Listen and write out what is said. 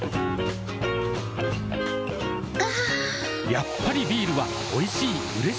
やっぱりビールはおいしい、うれしい。